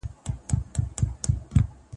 زه اوس سفر کوم؟